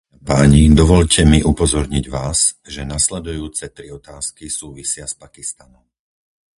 Dámy a páni, dovoľte mi upozorniť vás, že nasledujúce tri otázky súvisia s Pakistanom.